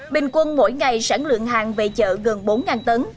bình quân mỗi ngày sản lượng hàng về chợ gần bốn tấn